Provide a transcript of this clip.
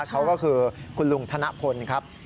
เขาก็คือคุณลุงธนพลครับ